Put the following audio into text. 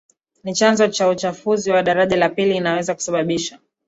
ni chanzo cha uchafuzi wa daraja la pili Inaweza kusababisha